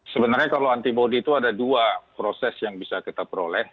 sebenarnya kalau antibody itu ada dua proses yang bisa kita peroleh